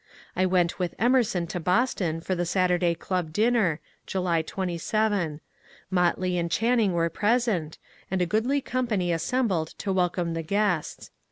I went with Emerson to Boston for the Saturday Club dinner (July 27). Motley and Chan ning were present, and a goodly company assembled to wel come the guests.